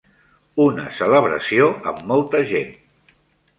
Una celebració amb molta gent.